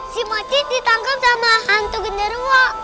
si masih ditangkap sama hantu gendarua